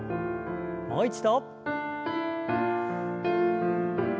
もう一度。